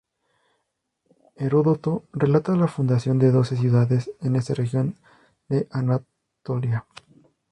Heródoto relata la fundación de doce ciudades en esa región de Anatolia.